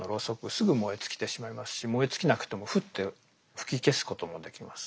すぐ燃え尽きてしまいますし燃え尽きなくてもフッて吹き消すこともできます。